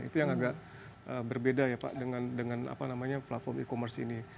itu yang agak berbeda ya pak dengan dengan apa namanya platform e commerce ini